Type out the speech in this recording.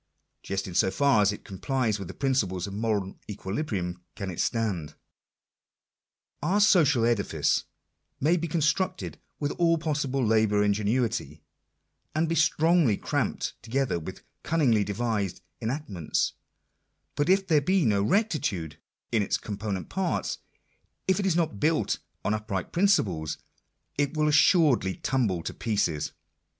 Just in so far as it complies with the principles of moral equilibrium can it stand. Our social edifice may be constructed with all possible labour and ingenuity, and be strongly cramped together with cunningly devised enactments, but if there be no rectitude in its com ponent parts — if it is not built on upright principles, it will assuredly tumble to pieces.